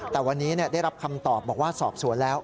แต่วันนี้ได้รับคำตอบบอกว่าสอบสวนแล้ว